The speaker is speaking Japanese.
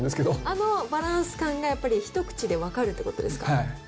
あのバランス感が、やっぱり一口で分かるっていうことですか？